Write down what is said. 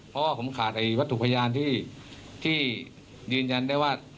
เพราะว่าผมขาดวัตถุพยานที่ยืนยันได้ว่า